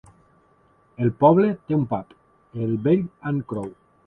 El poble té un pub, el Bell and Crown.